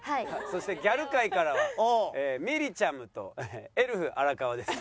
そしてギャル界からはみりちゃむとエルフ荒川です。